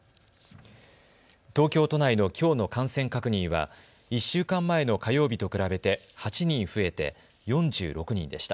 東京都内のきょうの感染確認は１週間前の火曜日と比べて８人増えて４６人でした。